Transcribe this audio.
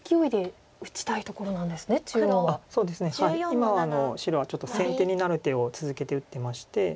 今は白はちょっと先手になる手を続けて打ってまして。